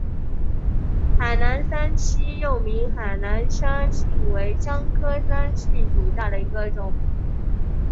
海南三七又名海南山柰为姜科山柰属下的一个种。